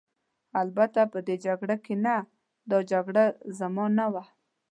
البته په دې جګړه کې نه، دا جګړه زما نه وه.